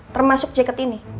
termasuk jaket ini